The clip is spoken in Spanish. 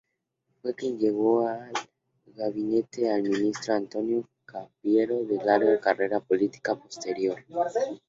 Fue quien llevó al gabinete al ministro Antonio Cafiero, de larga carrera política posterior.